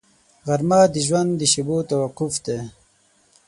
غرمه د ژوند د شېبو توقف دی